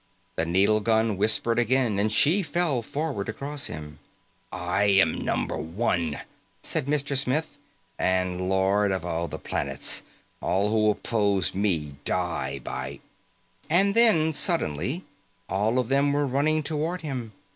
The needle gun whispered again, and she fell forward across him. "I am Number One," said Mr. Smith, "and Lord of all the planets. All who oppose me, die by " And then, suddenly all of them were running toward him.